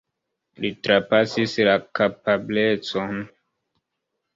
Li trapasis la kapablecon.